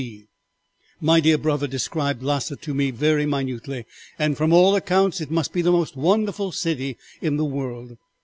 B. My dear brother described Lassa to me very minutely, and from all accounts it must be the most wonderful city in the world.